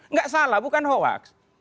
nggak salah bukan hoax